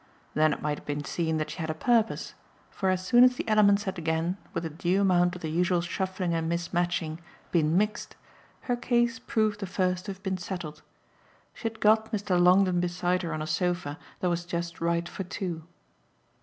Then it might have been seen that she had a purpose, for as soon as the elements had again, with a due amount of the usual shuffling and mismatching, been mixed, her case proved the first to have been settled. She had got Mr. Longdon beside her on a sofa that was just right for two.